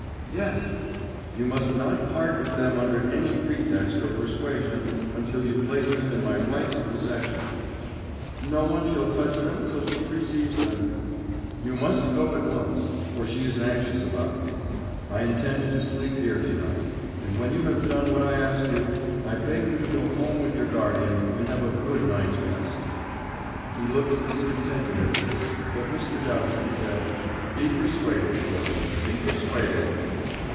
"Yes." "You must not part with them under any pretext or persuasion until you place them in my wife's possession." "No one shall touch them till she receives them." "You must go at once, for she is anxious about me. I intend to sleep here to night. And when you have done what I ask you, I beg you to go home with your guardian, and have a good night's rest." He looked discontented at this, but Mr. Dowsett said, "Be persuaded, George, be persuaded!"